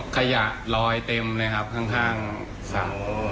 ขยะลอยเต็มเลยครับข้างสระ